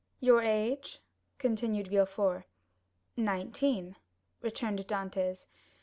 "Your age?" continued Villefort. "Nineteen," returned Dantès.